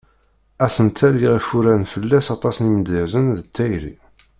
Asentel iɣef uran fell-as aṭas yimedyazen d tayri.